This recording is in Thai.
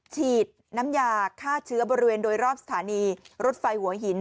ฉีดน้ำยาฆ่าเชื้อบริเวณโดยรอบสถานีรถไฟหัวหิน